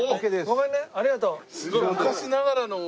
ごめんねありがとう。